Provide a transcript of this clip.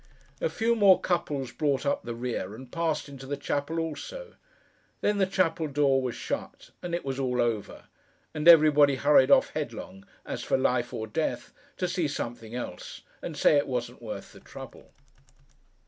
A few more couples brought up the rear, and passed into the chapel also. Then, the chapel door was shut; and it was all over; and everybody hurried off headlong, as for life or death, to see something else, and say it wasn't worth the trouble.